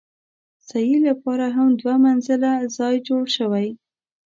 سعې لپاره هم دوه منزله ځای جوړ شوی.